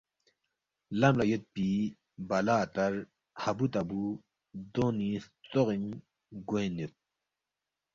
لم لا یود پی بالا اتر، ہابو تابو دونی ستروغین گوین یود ۔